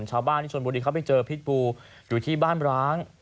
ชาวบ้านที่ชนบุรีเขาไปเจอพิษบูอยู่ที่บ้านร้าง